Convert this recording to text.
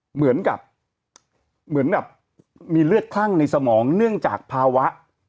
เหมือนกับเหมือนกับมีเลือดคลั่งในสมองเนื่องจากภาวะ